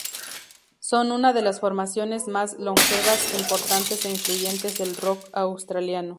Son una de las formaciones más longevas, importantes e influyentes del rock australiano.